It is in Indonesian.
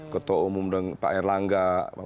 ketua umum pak erlangga